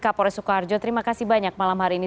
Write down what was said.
kapolres soeharjo terima kasih banyak malam hari ini